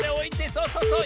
そうそうそう。